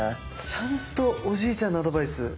ちゃんとおじいちゃんのアドバイス。